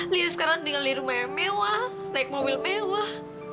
lia sekarang tinggal di rumah yang mewah naik mobil mewah